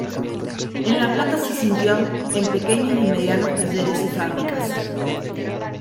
En La Plata se sintió en pequeños y medianos talleres y fábricas.